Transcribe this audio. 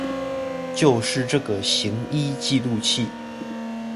就是這個行醫記錄器